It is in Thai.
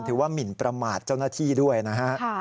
หมินประมาทเจ้าหน้าที่ด้วยนะฮะ